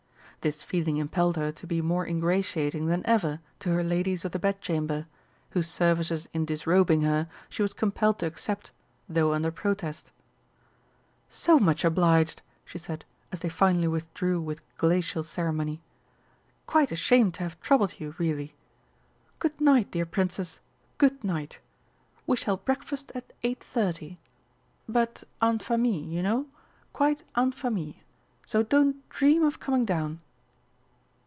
This feeling impelled her to be more ingratiating than ever to her ladies of the Bedchamber, whose services in disrobing her she was compelled to accept, though under protest. "So much obliged!" she said, as they finally withdrew with glacial ceremony. "Quite ashamed to have troubled you, really! Good night, dear Princess, good night. We shall breakfast at 8.30. But en famille, you know quite en famille so don't dream of coming down!"